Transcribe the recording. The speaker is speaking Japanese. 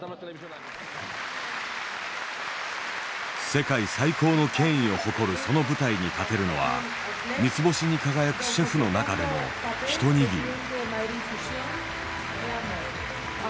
世界最高の権威を誇るその舞台に立てるのは三つ星に輝くシェフの中でも一握り。